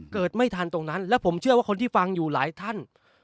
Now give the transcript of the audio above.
เกิดไม่ทันตรงนั้นและผมเชื่อว่าคนที่ฟังอยู่หลายท่าน